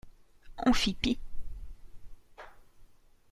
On fit pis.